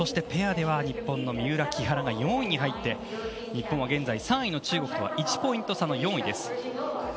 ペアでは４位に入って日本は現在３位の中国と１ポイント差の４位です。